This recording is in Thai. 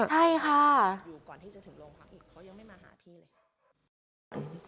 ใช่ค่ะอยู่ก่อนที่จะถึงโรงพักอีกเขายังไม่มาหาพี่เลยค่ะ